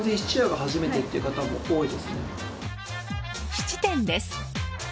質店です。